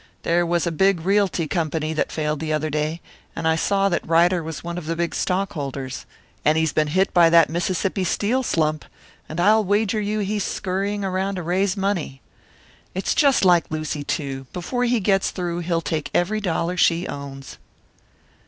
There was a big realty company that failed the other day, and I saw that Ryder was one of the stockholders. And he's been hit by that Mississippi Steel slump, and I'll wager you he's scurrying around to raise money. It's just like Lucy, too. Before he gets through, he'll take every dollar she owns."